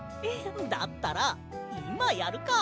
だったらいまやるか！